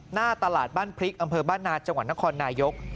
หน้าตลาดบ้านพริกอำเภอบ้านนาจังหวัดนครนายก